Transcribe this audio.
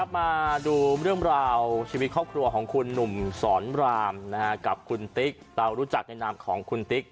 มาดูเรื่องราวชีวิตครอบครัวของคุณหนุ่มสอนรามกับคุณติ๊กเรารู้จักในนามของคุณติ๊ก